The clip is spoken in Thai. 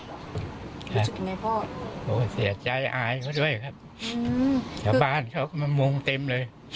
พูดจากยังไงพ่อเสียใจอายเขาด้วยครับอืมแต่บ้านเขาก็มันมุ่งเต็มเลย